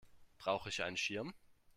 Brauche ich einen Schirm?